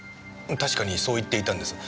確かにそう言っていたんです。